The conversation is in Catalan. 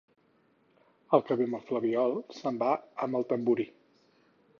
El que ve amb el flabiol, se'n va amb el tamborí.